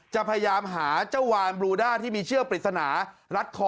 จะพยายามหาเจ้าวานบลูด้าที่มีเชือกปริศนารัดคอ